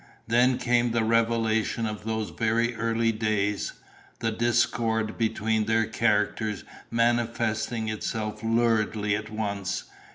Then came the revelation of those very early days: the discord between their characters manifesting itself luridly at once.